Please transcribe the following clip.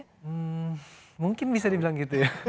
hmm mungkin bisa dibilang gitu ya